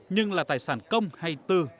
nhưng là tài sản công hay tư